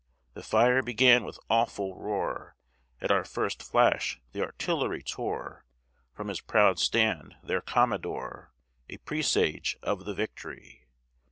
The fire began with awful roar; At our first flash the artillery tore, From his proud stand, their commodore, A presage of the victory.